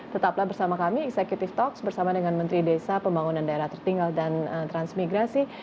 tetaplah bersama kami executive talks bersama dengan menteri desa pembangunan daerah tertinggal dan transmigrasi